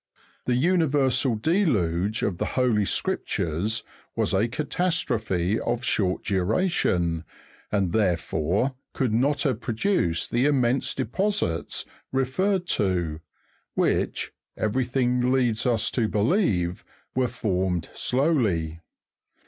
The universal deluge of the Holy Scriptures was a catastrophe of short duration, and therefore could not have produced the immense deposits referred to, which, everything leads us to believe, were formed slowly.